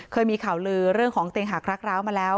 เคยมีข่าวลือเรื่องของเตียงหักรักร้าวมาแล้ว